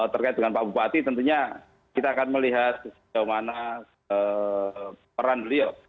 terkait dengan pak bupati tentunya kita akan melihat sejauh mana peran beliau